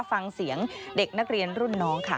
ฟังเสียงเด็กนักเรียนรุ่นน้องค่ะ